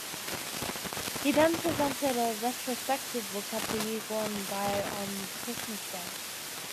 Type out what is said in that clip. He then presented a retrospective look at the year gone by on Christmas Day.